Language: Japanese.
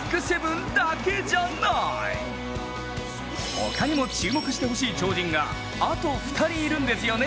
他にも注目してほしい超人があと２人いるんですよね？